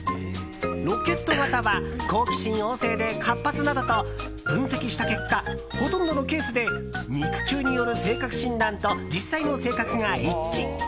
ロケット型は好奇心旺盛で活発などと分析した結果ほとんどのケースで肉球による性格診断と実際の性格が一致。